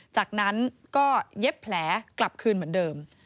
จากนั้นก็เย็บแผลกลับคืนเหมือนเดิม